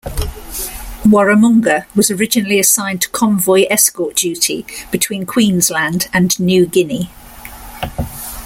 "Warramunga" was originally assigned to convoy escort duty between Queensland and New Guinea.